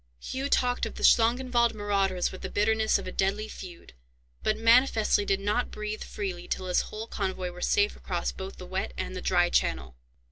Hugh talked of the Schlangenwald marauders with the bitterness of a deadly feud, but manifestly did not breathe freely till his whole convoy were safe across both the wet and the dry channel.